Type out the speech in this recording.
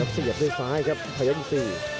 เสียบด้วยซ้ายครับพยายามที่สี่